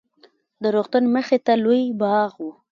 د روغتون مخې ته لوى باغ و.